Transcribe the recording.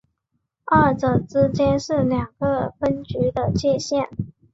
二者之间是两个分局的界线。